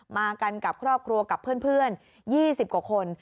มากันกับครอบครัวกับเพื่อน๒๐กว่าคน